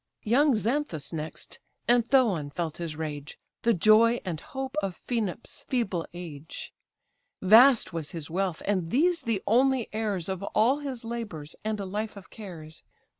Young Xanthus next, and Thoon felt his rage; The joy and hope of Phaenops' feeble age: Vast was his wealth, and these the only heirs Of all his labours and a life of cares.